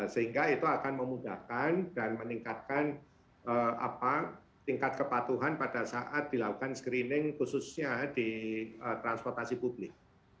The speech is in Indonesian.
sehingga itu akan memudahkan dan meningkatkan tingkat kepatuhan pada saat dilakukan screening khususnya di transportasi publik